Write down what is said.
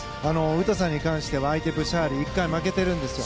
詩さんに関しては相手のブシャールには１回、負けてるんですよ。